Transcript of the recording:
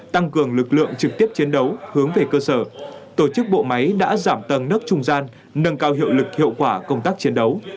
tăng cường lực lượng trực tiếp chiến đấu hướng về cơ sở tổ chức bộ máy đã giảm tầng nước trung gian nâng cao hiệu lực hiệu quả công tác chiến đấu